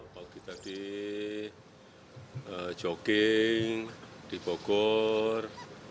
pagi tadi jogging di bogor